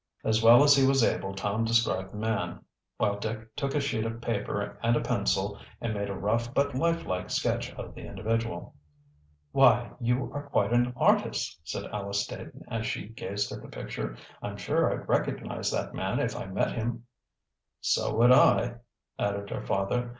As well as he was able Tom described the man, while Dick took a sheet of paper and a pencil and made a rough but life like sketch of the individual. "Why, you are quite an artist!" said Alice Staton as she gazed at the picture. "I'm sure I'd recognize that man if I met him." "So would I," added her father.